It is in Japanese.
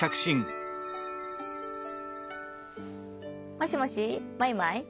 もしもしマイマイ？